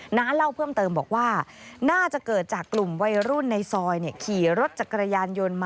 หน้าเล่าเพิ่มเติมบอกว่าน่าจะเกิดจากกลุ่มวัยรุ่นในซอย